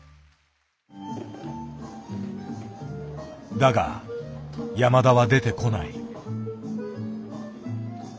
だが山田は出てこない。